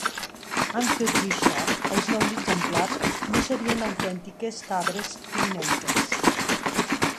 Amb tot i això els nous exemplars no serien autèntiques cabres pirinenques.